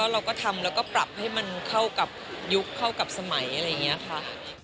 เราก็ทำแล้วก็ปรับให้มันเข้ากับยุคเข้ากับสมัยอะไรอย่างนี้ค่ะ